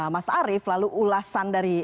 mas arief lalu ulasan dari